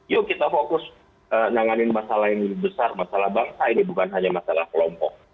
yuk kita fokus menanganin masalah yang lebih besar masalah bangsa ini bukan hanya masalah kelompok